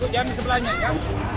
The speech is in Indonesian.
dapat udara buat jalan di sebelahnya ya